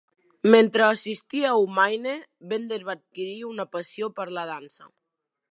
Mentre assistia a U-Maine, Bender va adquirir una passió per la dansa.